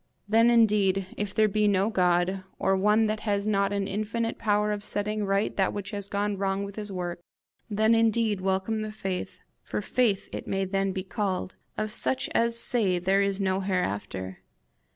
Then indeed, if there be no God, or one that has not an infinite power of setting right that which has gone wrong with his work, then indeed welcome the faith, for faith it may then be called, of such as say there is no hereafter!